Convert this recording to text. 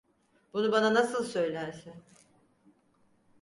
Bunu bana nasıl söylersin?